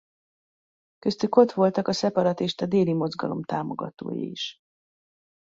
Köztük ott voltak a szeparatista Déli Mozgalom támogatói is.